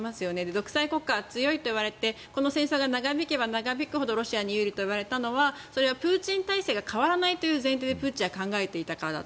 独裁国家は強いといわれてこの戦争が長引けば長引くほどロシアに有利と言われたのはプーチン体制が変わらないという前提でプーチンが考えていたからで